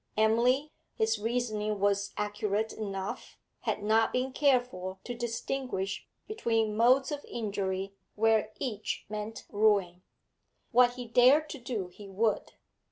Emily his reasoning was accurate enough had not been careful to distinguish between modes of injury, where each meant ruin. What he dared to do, he would.